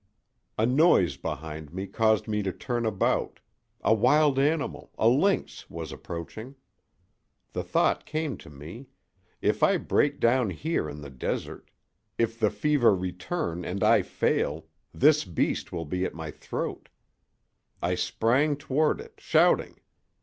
A noise behind me caused me to turn about. A wild animal—a lynx—was approaching. The thought came to me: If I break down here in the desert—if the fever return and I fail, this beast will be at my throat. I sprang toward it, shouting.